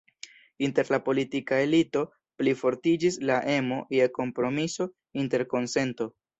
Inter la politika elito plifortiĝis la emo je kompromiso, interkonsento.